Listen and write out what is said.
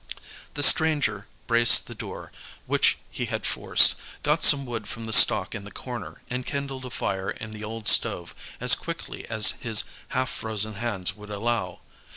The stranger braced the door which he had forced, got some wood from the stock in the corner, and kindled a fire in the old stove as quickly as his half frozen hands would allow.